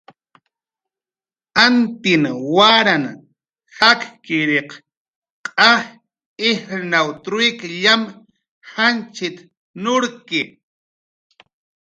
"Antin waran jakkiriq q'aj ijrnaw truik llam janchit"" nurki"